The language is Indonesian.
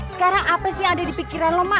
sekarang apa sih yang ada di pikiran lu mak